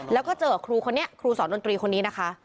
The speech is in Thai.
แล้วก็เจอกับครูคนนี้ครูสอนดนตรีคนนี้นะคะ